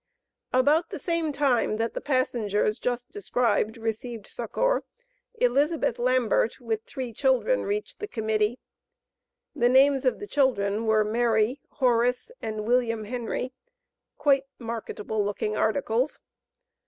About the same time that the passengers just described received succor, Elizabeth Lambert, with three children, reached the Committee. The names of the children were, Mary, Horace, and William Henry, quite marketable looking articles.